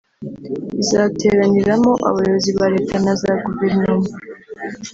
Izateraniramo abayobozi ba leta na za guverinoma